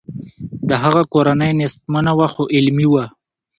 د هغه کورنۍ نیستمنه وه خو علمي وه